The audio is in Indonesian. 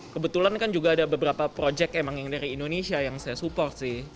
kebetulan kan juga ada beberapa project emang yang dari indonesia yang saya support sih